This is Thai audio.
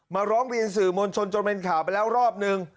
ร้องเรียนสื่อมวลชนจนเป็นข่าวไปแล้วรอบนึง